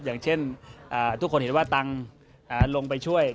อย่างเช่นทุกคนเห็นว่าตังค์ลงไปช่วย